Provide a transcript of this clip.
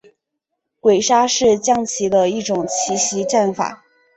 鬼杀是将棋的一种奇袭战法。